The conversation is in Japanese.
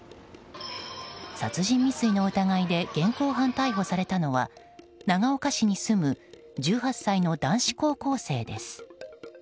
殺人未遂の疑いで現行犯逮捕されたのは長岡市に住む１８歳の男子高校生です。